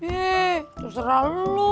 eh terserah lo